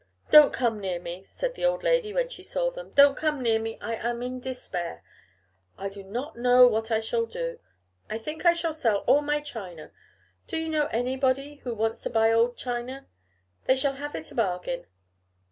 'Don't come near me,' said the old lady when she saw them; 'don't come near me; I am in despair; I do not know what I shall do; I think I shall sell all my china. Do you know anybody who wants to buy old china? They shall have it a bargain.